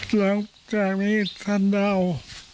หลังจากนี้ท่านได้เอา